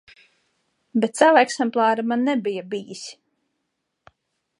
Bet sava eksemplāra man nebija bijis.